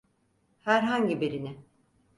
Herhangi birini.